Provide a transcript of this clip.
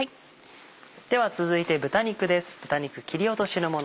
では続いて豚肉です。